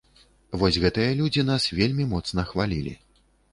Вось гэтыя людзі нас вельмі моцна хвалілі.